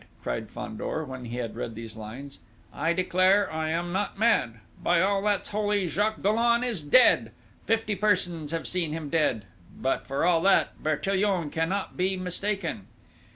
cried Fandor, when he had read these lines. "I declare I am not mad! By all that's holy, Jacques Dollon is dead!... Fifty persons have seen him dead! But, for all that, Bertillon cannot be mistaken!"